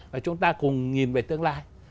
và chúng ta cùng nhìn về tương lai